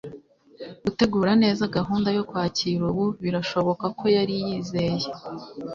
gutegura neza gahunda yo kwakira ubu. birashoboka ko yari yizeye